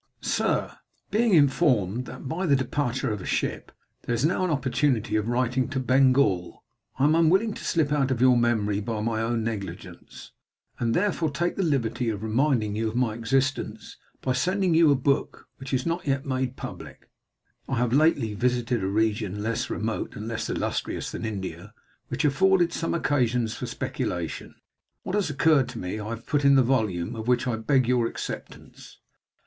'SIR, Being informed that by the departure of a ship, there is now an opportunity of writing to Bengal, I am unwilling to slip out of your memory by my own negligence, and therefore take the liberty of reminding you of my existence, by sending you a book which is not yet made publick. I have lately visited a region less remote, and less illustrious than India, which afforded some occasions for speculation; what has occurred to me, I have put into the volume, of which I beg your acceptance.